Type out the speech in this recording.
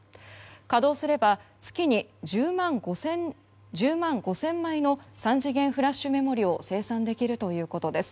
稼働すれば月に１０万５０００枚の３次元フラッシュメモリを生産できるということです。